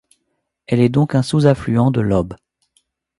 Elle est donc un sous-affluent de l'Ob.